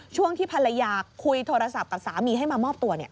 ช่วงที่ภรรยาคุยโทรศัพท์กับสามีให้มามอบตัว